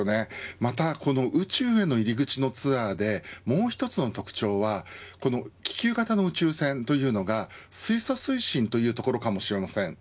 またこの宇宙への入り口のツアーでもう一つの特徴はこの気球型の宇宙船というのが水素推進というところかもしれません。